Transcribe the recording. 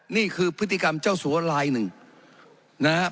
นี่คือพฤติกรรมเจ้าสัวลายหนึ่งนะฮะ